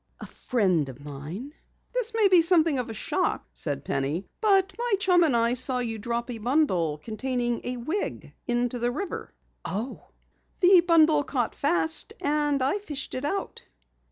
"A friend of mine." "This may be something of a shock," said Penny, "but my chum and I saw you drop a bundle containing a wig into the river." "Oh!" "The bundle caught fast and I fished it out."